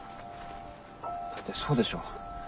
だってそうでしょう？